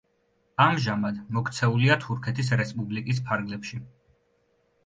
ამჟამად მოქცეულია თურქეთის რესპუბლიკის ფარგლებში.